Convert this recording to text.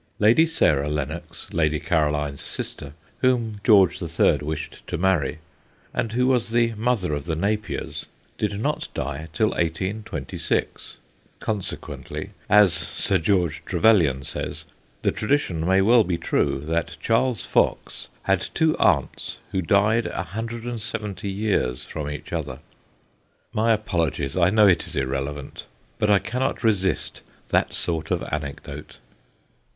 Lady Sarah Lennox, Lady Caroline's sister, whom George the Third wished to marry, and who was the mother of the Napiers, did not die till 1826; consequently, as Sir George Trevelyan says, the tradition may well be true that Charles Fox had two aunts who died a hundred and seventy years from each other. (My apolo gies : I know it is irrelevant, but I cannot resist that sort of anecdote.)